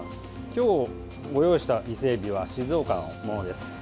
今日ご用意した伊勢えびは静岡のものです。